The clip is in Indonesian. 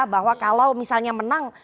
bahwa kalau misalnya menang